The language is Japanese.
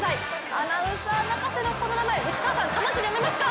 アナウンサー泣かせのこの名前、内川さん、この名前読めますか？